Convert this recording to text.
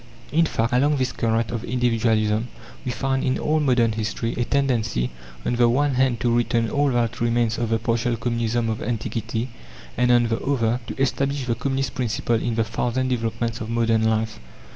In fact, along this current of Individualism, we find in all modern history a tendency, on the one hand to retain all that remains of the partial Communism of antiquity, and, on the other, to establish the Communist principle in the thousand developments of modern life.